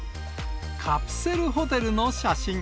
カプセルホテルの写真。